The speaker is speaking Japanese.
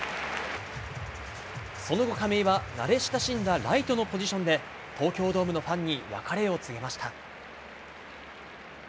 その後、亀井は慣れ親しんだライトのポジションで東京ドームのファンに別れを告げました。